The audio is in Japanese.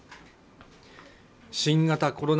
新型コロナ